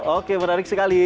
oke menarik sekali